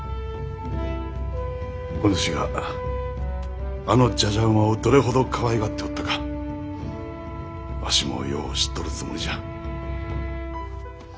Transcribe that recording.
お主があのじゃじゃ馬をどれほどかわいがっておったかわしもよう知っとるつもりじゃ。